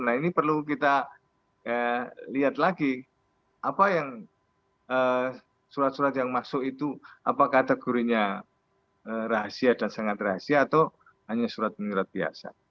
nah ini perlu kita lihat lagi apa yang surat surat yang masuk itu apa kategorinya rahasia dan sangat rahasia atau hanya surat menyurat biasa